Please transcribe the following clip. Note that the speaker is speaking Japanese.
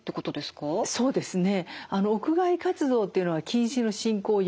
そうですね。